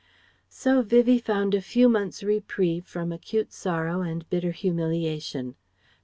So Vivie found a few months' reprieve from acute sorrow and bitter humiliation.